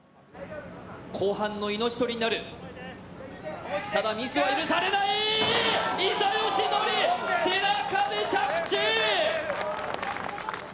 後半の命取りになるミスは許されない伊佐嘉矩、背中で着地。